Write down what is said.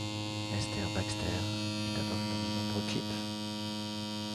Esther Baxter est apparue dans de nombreux clips.